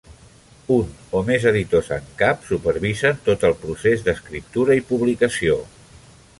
Un o més editors en cap supervisen tot el procés d'escriptura i publicació.